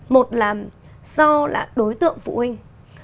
một là do là đối tượng phụ huynh